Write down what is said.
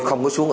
không có xuống